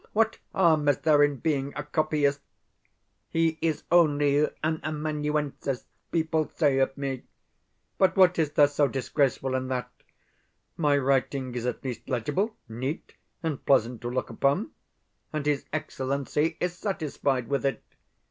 What harm is there in being a copyist? "He is only an amanuensis," people say of me. But what is there so disgraceful in that? My writing is at least legible, neat, and pleasant to look upon and his Excellency is satisfied with it.